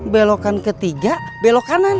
belokan ketiga belok kanan